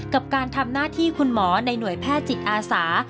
กับการทำหน้าที่คุณหมอในหน่วยแพทย์จิตอาสา